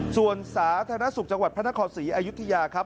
ส่วนสหรัฐศุรกิจจังหวัดพระธนโคศีอายุทิยาครับ